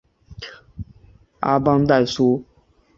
阿邦代苏。